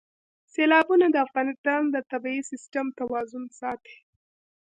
سیلابونه د افغانستان د طبعي سیسټم توازن ساتي.